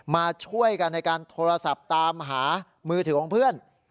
มาช่วยกันในการโทรศัพท์ตามหามือถือของเพื่อน